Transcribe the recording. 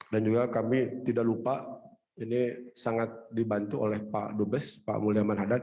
dan juga kami tidak lupa ini sangat dibantu oleh pak dubes pak mulya manhadat